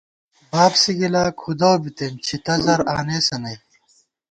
بابسِی گِلا کھُودَؤ بِتېن، چھِتہ زَر آنېسہ نئ